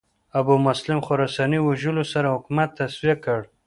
ابومسلم خراساني وژلو سره حکومت تصفیه کړ